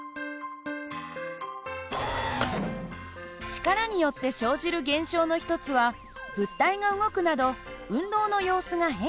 力によって生じる現象の一つは物体が動くなど運動の様子が変化する事。